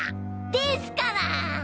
ですから！